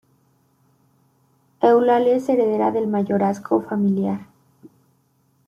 Eulalia es heredera del mayorazgo familiar.